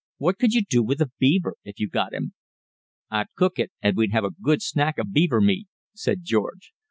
"What could you do with a beaver if you got him?" "I'd cook it, and we'd have a good snack of beaver meat," said George.